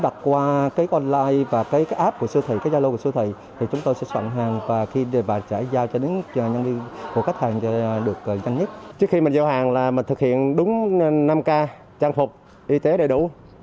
trước khi mình giao hàng là mình thực hiện đúng năm k trang phục y tế đầy đủ